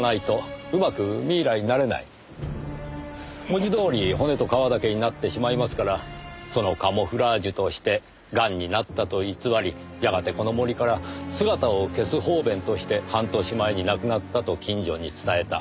文字どおり骨と皮だけになってしまいますからそのカムフラージュとしてガンになったと偽りやがてこの森から姿を消す方便として半年前に亡くなったと近所に伝えた。